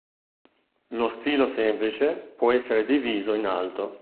Lo stilo semplice, può essere diviso in alto.